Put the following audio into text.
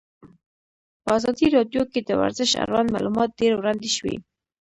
په ازادي راډیو کې د ورزش اړوند معلومات ډېر وړاندې شوي.